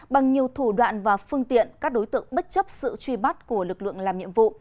bằng nhiều thủ đoạn và phương tiện các đối tượng bất chấp sự truy bắt của lực lượng làm nhiệm vụ